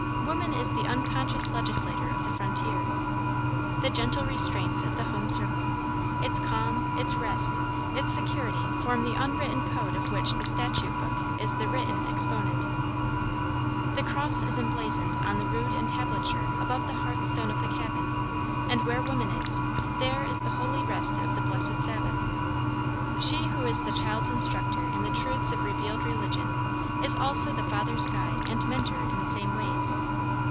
Woman is the unconscious legislator of the frontier. The gentle restraints of the home circle, its calm, its rest, its security form the unwritten code of which the statute book is the written exponent. The cross is emblazoned on the rude entablature above the hearth stone of the cabin, and where woman is, there is the holy rest of the blessed sabbath. She, who is the child's instructor in the truths of revealed religion, is also the father's guide and mentor in the same ways.